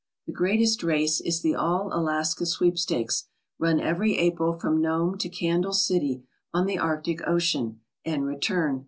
The greatest race is the All Alaska Sweepstakes, run every April from Nome to Candle City, on the Arctic Ocean, and return.